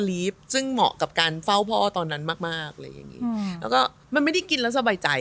ลับจากแล้วแสดง